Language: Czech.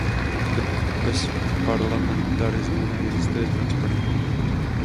Bez parlamentarismu neexistuje transparentní kontrola.